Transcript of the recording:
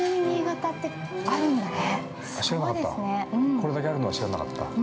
◆これだけあるのは知らなかった。